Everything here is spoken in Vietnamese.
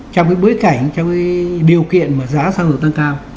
trong cái bối cảnh trong cái điều kiện mà giá xã hội tăng cao